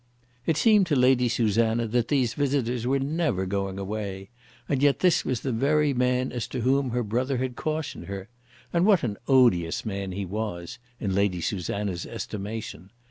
It seemed to Lady Susanna that these visitors were never going away, and yet this was the very man as to whom her brother had cautioned her! And what an odious man he was in Lady Susanna's estimation!